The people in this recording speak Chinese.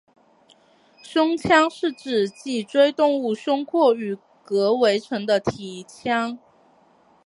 胸腔是指脊椎动物胸廓与膈围成的体腔。